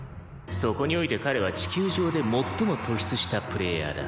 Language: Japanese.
そこにおいて彼は地球上で最も突出したプレーヤーだ。